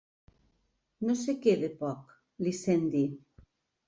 No-se-què d'Epoch —li sent dir.